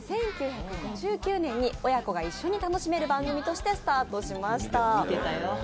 １９５９年に親子が一緒に楽しめる番組としてスタートしました。